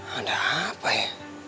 ada apa ya